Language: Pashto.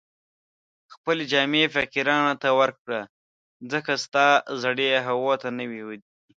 خپلې جامې فقیرانو ته ورکړه، ځکه ستا زړې هغو ته نوې دي